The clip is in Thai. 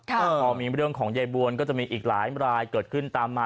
พอมีเรื่องของยายบวนก็จะมีอีกหลายรายเกิดขึ้นตามมา